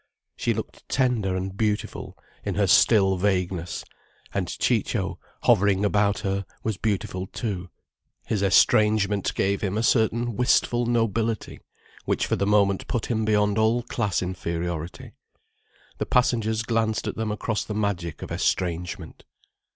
She looked tender and beautiful in her still vagueness, and Ciccio, hovering about her, was beautiful too, his estrangement gave him a certain wistful nobility which for the moment put him beyond all class inferiority. The passengers glanced at them across the magic of estrangement.